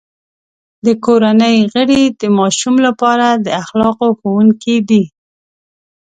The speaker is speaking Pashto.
د کورنۍ غړي د ماشوم لپاره د اخلاقو ښوونکي دي.